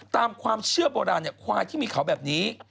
ตามความเชื่อโบราณควายที่มีเขาแบบนี้